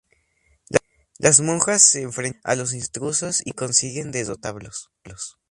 Las monjas se enfrentan a los intrusos y consiguen derrotarlos.